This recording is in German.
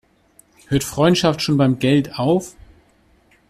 Hört Freundschaft schon beim Geld auf?